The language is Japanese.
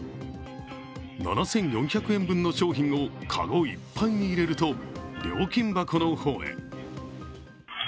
７４００円分の商品を籠いっぱいに入れると料金箱の方へ。